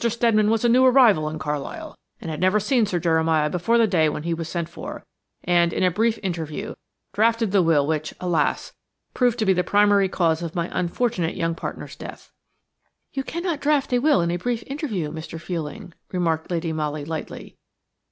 Steadman was a new arrival in Carlisle, and had never seen Sir Jeremiah before the day when he was sent for and, in a brief interview, drafted the will which, alas! proved to be the primary cause of my unfortunate young partner's death." "You cannot draft a will in a brief interview, Mr. Fuelling," remarked Lady Molly, lightly.